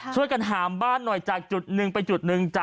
ช่วยกันหามบ้านหน่อยจากจุดหนึ่งไปจุดหนึ่ง